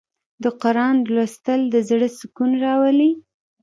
د قرآن لوستل د زړه سکون راولي.